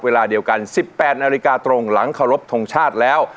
เวลาเดียวกัน๑๘นาฬิกาตรงหลังเคารพทงชาติแล้ว